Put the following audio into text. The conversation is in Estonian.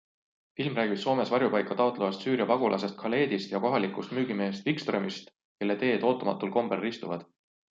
Film räägib Soomes varjupaika taotlevast Süüria pagulasest Khaledist ja kohalikust müügimehest Wikströmist, kelle teed ootamatul kombel ristuvad.